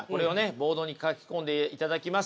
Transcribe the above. ボードに書き込んでいただきます。